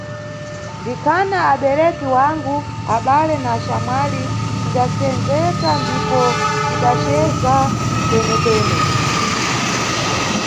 Ndikhana abereki wangu, abale na axamwali, tidasendzeka ndipo tidaceza kwenekwene.